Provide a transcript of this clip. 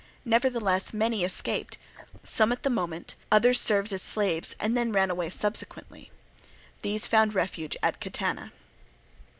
Nevertheless many escaped, some at the moment, others served as slaves, and then ran away subsequently. These found refuge at Catana.